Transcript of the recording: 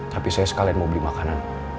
tapi saya sekalian mau beli makanan